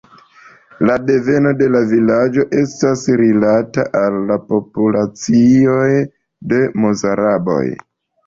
La deveno de la vilaĝo estas rilata al populacioj de mozaraboj.